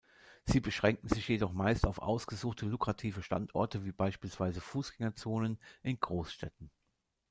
Sie beschränkten sich jedoch meist auf ausgesuchte lukrative Standorte wie beispielsweise Fußgängerzonen in Großstädten.